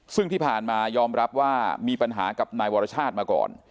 ซึ่งที่ผ่านมายอมรับว่ามีปัญหากับนายวรชาติมาก่อน